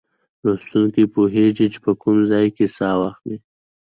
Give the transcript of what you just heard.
لوستونکی پوهیږي چې په کوم ځای کې سا واخلي.